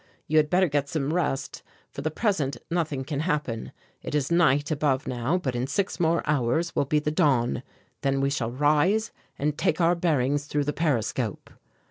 You had better get some rest; for the present nothing can happen. It is night above now but in six more hours will be the dawn, then we shall rise and take our bearings through the periscope."